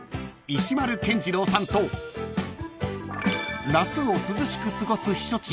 石丸謙二郎さんと夏を涼しく過ごす避暑地